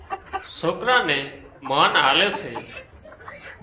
سوڪران نين مانَ آلي سي